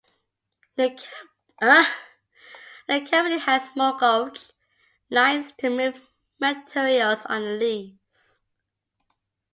The company had small gauge lines to move materials on the lease.